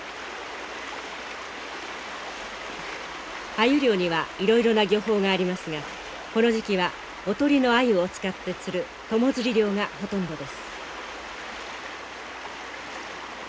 アユ漁にはいろいろな漁法がありますがこの時期はおとりのアユを使って釣る友釣り漁がほとんどです。